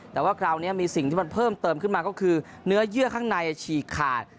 แต่ว่าคราวนี้มีสิ่งที่มันเพิ่มเติมขึ้นมาก็คือเนื้อเยื่อข้างในฉีกขาด